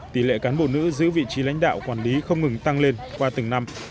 tỷ lệ cán bộ nữ giữ vị trí lãnh đạo quản lý không ngừng tăng lên qua từng năm